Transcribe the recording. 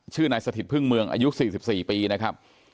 ชื่อนายสถิตพึ่งเมืองอายุ๔๔ปีนะครับ